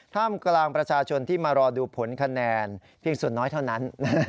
ท่ามกลางประชาชนที่มารอดูผลคะแนนเพียงส่วนน้อยเท่านั้น